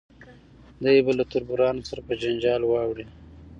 دی به له تربورانو سره په جنجال واړوي.